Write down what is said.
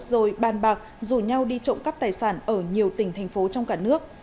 rồi bàn bạc rủ nhau đi trộm cắp tài sản ở nhiều tỉnh thành phố trong cả nước